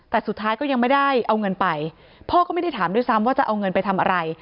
แต่สุดท้ายก็ยังไม่ได้เอาเงินไปพ่อก็ไม่ได้ถามด้วยซ้ำว่าจะเอาเงินไปทำอะไร